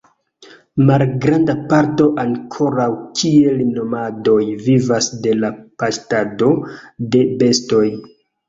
Malgranda parto ankoraŭ kiel nomadoj vivas de la paŝtado de bestoj.